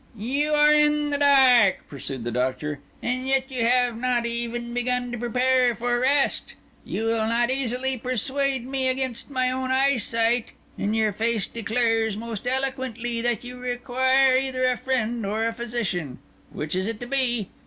"You are in the dark," pursued the Doctor; "and yet you have not even begun to prepare for rest. You will not easily persuade me against my own eyesight; and your face declares most eloquently that you require either a friend or a physician—which is it to be?